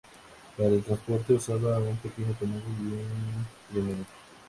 Para el transporte usaban un pequeño automóvil y un trineo.